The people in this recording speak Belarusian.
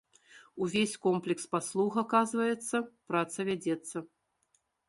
Увесь комплекс паслуг аказваецца, праца вядзецца.